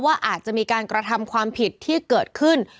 อาจจะมีการกระทำความผิดที่เกิดขึ้น